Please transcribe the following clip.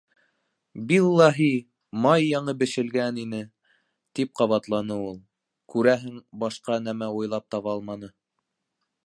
—Биллаһи, май яңы бешелгән ине, —тип ҡабатланы ул. Күрәһең, башҡа нәмә уйлап таба алманы.